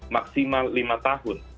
maksimal lima tahun